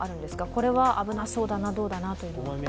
これは危なそうだな、どうだなというのは。